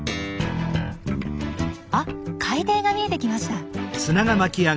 あ海底が見えてきました。